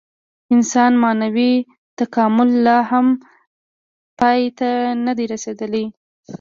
د انسان معنوي تکامل لا هم پای ته نهدی رسېدلی.